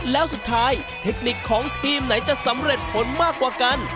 แล้วสุดท้ายเทคนิคของทีมไหนจะสำเร็จผลมากกว่ากัน